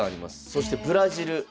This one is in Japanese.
そしてブラジル。